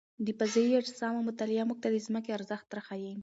د فضايي اجسامو مطالعه موږ ته د ځمکې ارزښت راښيي.